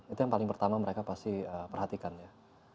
itu yang paling pertama mereka pasti perhatikan ya